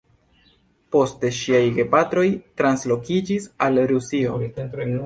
Poste ŝiaj gepatroj translokiĝis al Rusio.